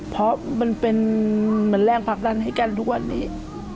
เพราะมันเป็นเหมือนแรงผลักดันให้กันทุกวันนี้